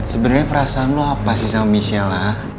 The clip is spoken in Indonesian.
sebenernya perasaan lo apa sih sama michelle